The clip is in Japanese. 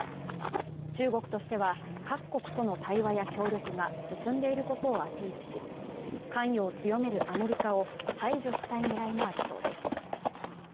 中国としては、各国との対話や協力が進んでいることをアピールし関与を強めるアメリカを排除したい狙いもありそうです。